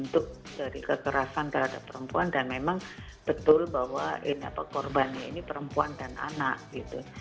untuk dari kekerasan terhadap perempuan dan memang betul bahwa korbannya ini perempuan dan anak gitu